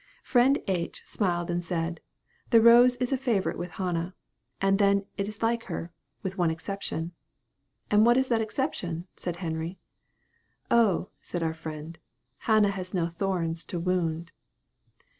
Friend H. smiled and said, "the rose is a favorite with Hannah; and then it is like her, with one exception." "And what is that exception?" said Henry. "Oh," said our friend, "Hannah has no thorns to wound."